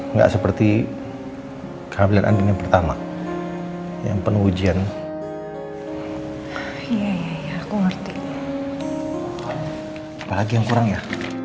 nggak seperti kehamilan andin yang pertama yang penuh ujian iya aku ngerti lagi yang kurangnya